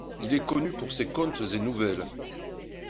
Il est connu pour ses contes et nouvelles.